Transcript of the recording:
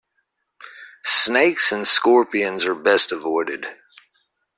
Snakes and scorpions are best avoided.